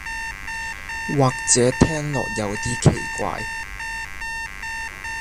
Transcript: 或者聽落係有啲奇怪